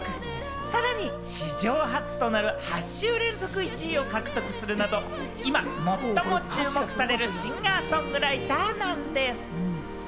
さらに史上初となる８週連続１位を獲得するなど、今最も注目されるシンガー・ソングライターなんです。